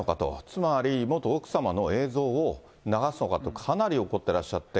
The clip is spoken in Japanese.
つまり元奥様の映像を流すのかと、これかなり怒ってらっしゃって。